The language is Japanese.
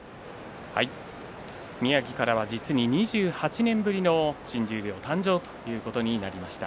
宮城からは実に２８年ぶりの新十両誕生となりました。